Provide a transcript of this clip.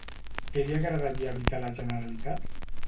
Què li agradaria evitar a la Generalitat?